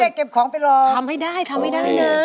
ไม่ได้เก็บของไปร้องทำให้ได้ทำให้ได้หนึ่ง